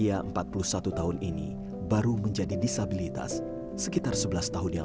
pria empat puluh satu tahun ini baru menjadi disabilitas sekitar sebelas tahun yang